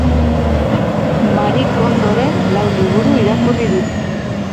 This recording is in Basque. Marie Kondoren lau liburu irakurri ditu.